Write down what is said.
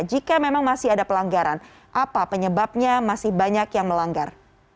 jika memang masih ada pelanggaran apa penyebabnya masih banyak yang melanggar